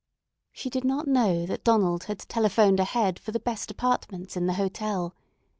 She did not know that Donald had telephoned ahead for the best apartments in the hotel.